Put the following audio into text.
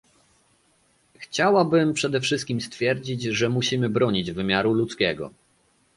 Chciałabym przede wszystkim stwierdzić, że musimy bronić wymiaru ludzkiego